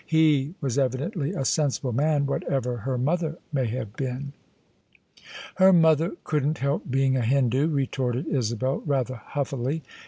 He was evidently a sensible man, whatever her mother may have been." THE SUBJECTION "Her mother couldn't hdp being a Hindoo," retorted Isabel rather huffily.